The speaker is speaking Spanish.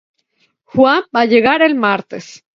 Juan va a llegar el martes.